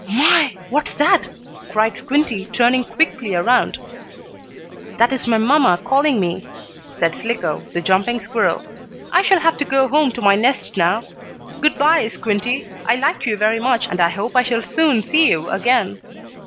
"My, what's that?" cried Squinty, turning quickly around. "That is my mamma calling me," said Slicko, the jumping squirrel. "I shall have to go home to my nest now. Good by, Squinty. I like you very much, and I hope I shall soon see you again."